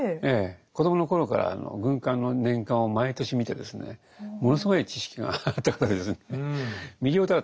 子どもの頃から軍艦の年鑑を毎年見てですねものすごい知識があった方ですね。